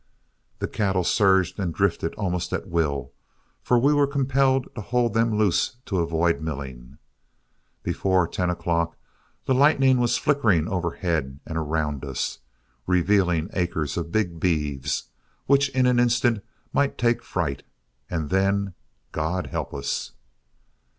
The cattle surged and drifted almost at will, for we were compelled to hold them loose to avoid milling. Before ten o'clock the lightning was flickering overhead and around us, revealing acres of big beeves, which in an instant might take fright, and then, God help us.